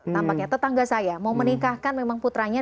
tampaknya tetangga saya mau menikahkan memang putranya